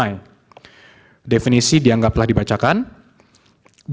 yang ditanggung oleh seseorang keluarga kelompok dan anak anak yang berpengalaman sosial